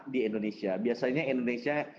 di indonesia biasanya indonesia